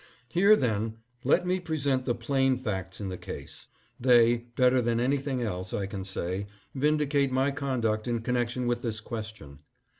"Here, then, let me present the plain facts in the case. They, better than anything else I can say, vindi cate my conduct in connection with this question.